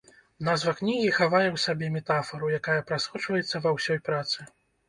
Назва кнігі хавае ў сабе метафару, якая прасочваецца ва ўсёй працы.